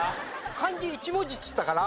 漢字１文字って言ったから。